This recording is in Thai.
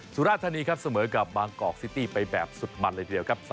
สุราธานีครับเสมอกับบางกอกซิตี้ไปแบบสุดมันเลยทีเดียวครับ